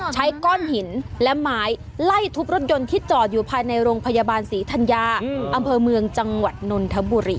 ใช้ก้อนหินและไม้ไล่ทุบรถยนต์ที่จอดอยู่ภายในโรงพยาบาลศรีธัญญาอำเภอเมืองจังหวัดนนทบุรี